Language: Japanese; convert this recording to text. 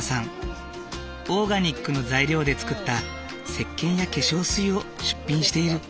オーガニックの材料で作ったせっけんや化粧水を出品している。